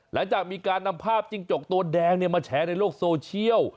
หลังจากมีการนำภาพจิ้งจกตัวแดงมาแฉในโลกโซเชียล